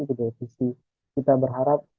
itu direvisi kita berharap